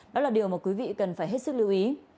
đó là điều mà quý vị cần phải hết sức lưu ý